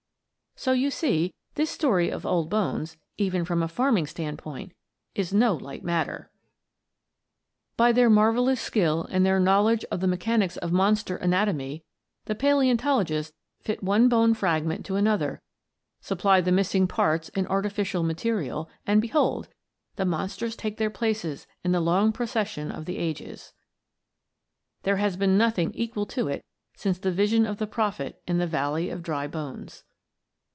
So you see this story of old bones, even from a farming standpoint, is no light matter. [Illustration: HOW THE WISE MEN ANSWER THE PUZZLES By their marvellous skill and their knowledge of the mechanics of monster anatomy the paleontologists fit one bone fragment to another, supply the missing parts in artificial material, and behold! the monsters take their places in the long procession of the ages. There has been nothing equal to it since the vision of the prophet in the Valley of Dry Bones.